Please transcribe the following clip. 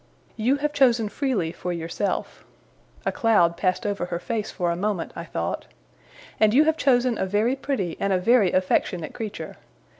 You have chosen freely for yourself'; a cloud passed over her face for a moment, I thought; 'and you have chosen a very pretty and a very affectionate creature.